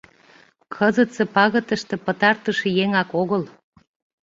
Кызытсе пагытыште пытартыш еҥак огыл.